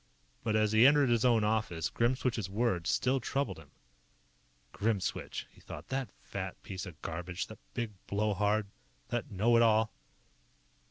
But as he entered his own office, Grimswitch's words still troubled him. Grimswitch, he thought. _That fat piece of garbage. That big blow hard. That know it all.